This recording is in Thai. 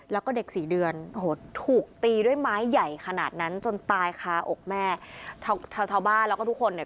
แล้วก็เด็กสี่เดือนโอ้โหถูกตีด้วยไม้ใหญ่ขนาดนั้นจนตายคาอกแม่ชาวบ้านแล้วก็ทุกคนเนี่ย